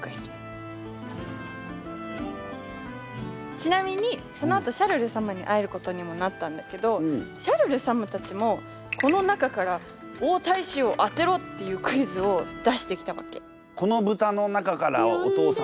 ちなみにそのあとシャルル様に会えることにもなったんだけどシャルル様たちもこの中から王太子を当てろっていうクイズを出してきたわけ。